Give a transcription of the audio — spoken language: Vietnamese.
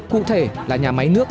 cụ thể là nhà máy nước